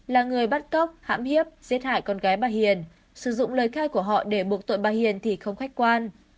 là người bắt cóc hãm hiếp giết hại con gái bà hiền sử dụng lời khai của họ để buộc tội bà hiền thì không khách quan